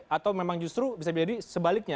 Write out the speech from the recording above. atau memang justru bisa jadi sebaliknya